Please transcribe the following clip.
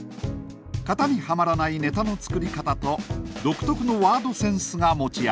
型にはまらないネタの作り方と独特のワードセンスが持ち味。